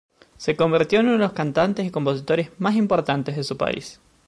Se convirtió en uno de los cantantes y compositores más importantes de su país.